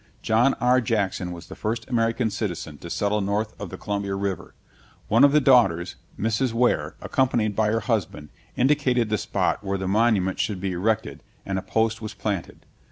John R. Jackson was the first American citizen to settle north of the Columbia River. One of the daughters, Mrs. Ware, accompanied by her husband, indicated the spot where the monument should be erected, and a post was planted.